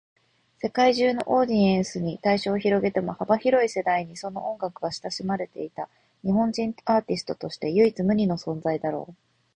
世界中のオーディエンスに対象を広げても、幅広い世代にその音楽が親しまれた日本人アーティストとして唯一無二の存在だろう。